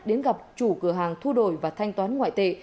đến gặp chủ cửa hàng thu đổi và thanh toán ngoại tệ